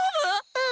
うん。